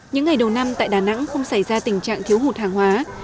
những ngày đầu năm tại đà nẵng không xảy ra tình trạng thiếu hụt hàng hóa